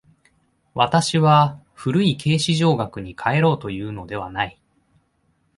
私は古い形而上学に還ろうというのではない。